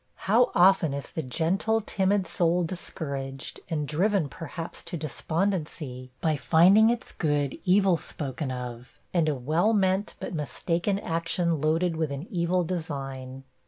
How often is the gentle, timid soul discouraged, and driven perhaps to despondency, by finding its 'good evil spoken of;' and a well meant but mistaken action loaded with an evil design!